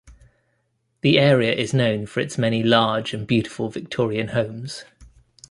The area is known for its many large and beautiful Victorian homes.